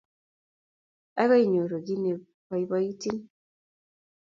Akoi inyoru ki ne i poipoitin.